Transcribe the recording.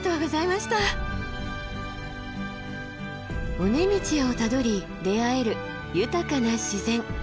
尾根道をたどり出会える豊かな自然。